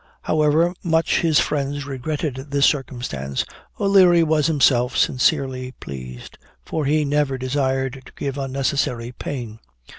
However much his friends regretted this circumstance, O'Leary was himself sincerely pleased; for he never desired to give unnecessary pain.